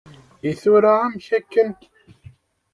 I tura amek akken?